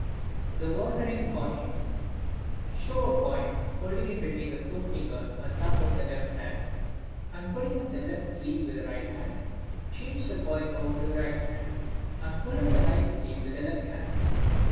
The Wandering Coin.—Show a coin, holding it between the forefinger and thumb of the left hand, and pulling up the left sleeve with the right hand. Change the coin over to the right hand, and pull up the right sleeve with the left hand.